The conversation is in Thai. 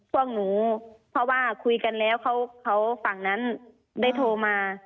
พวกหนูเพราะว่าคุยกันแล้วเขาฝั่งนั้นได้โทรมา